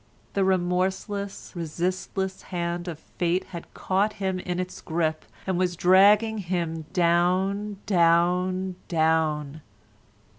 The remorseless, resistless hand of fate had caught him in its grip and was dragging him down, down, down.